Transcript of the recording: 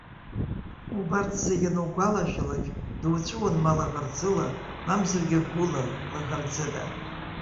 Убарҭ зегьы анугәалашәалакь, дуҵәуон ма лаӷырӡыла, мамзаргьы гәыла, лаӷырӡыда.